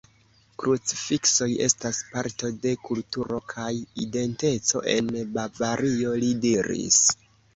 Krucifiksoj estas parto de kulturo kaj identeco en Bavario, li diris.